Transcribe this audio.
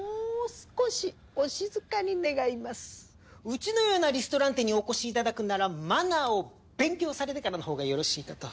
うちのようなリストランテにお越しいただくならマナーを勉強されてからのほうがよろしいかと。